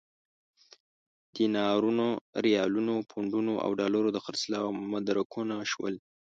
دینارونو، ریالونو، پونډونو او ډالرو د خرڅلاو مدرکونه شول.